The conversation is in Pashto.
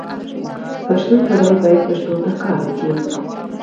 پښتون سړی باید پښتو ته کار وکړي.